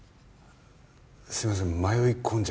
すみません